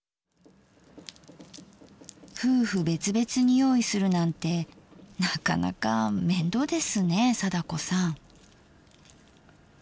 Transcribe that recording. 夫婦別々に用意するなんてなかなか面倒ですね貞子さん。